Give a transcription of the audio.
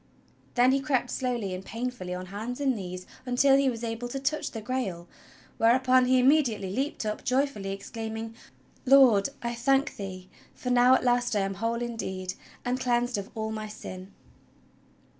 Then he crept slowly and painfully on hands and knees until he was able to touch the Grail, whereupon he immediately leaped up joyfully exclaiming: "Lord, I thank thee, for now at last I am whole indeed, and cleansed of all my sin!"